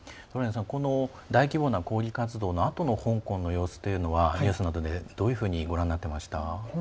大規模な抗議活動のあとの香港の様子というのはニュースなどでどういうふうにご覧になっていました？